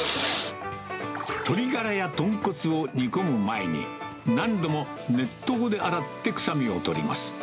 鶏がらや豚骨を煮込む前に、何度も熱湯で洗って臭みを取ります。